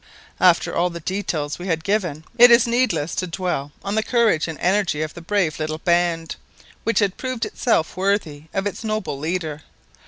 After all the details we have given, it is needless to dwell on the courage and energy of the brave little band, which had proved itself worthy of its noble leader.